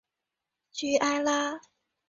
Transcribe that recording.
屈埃拉。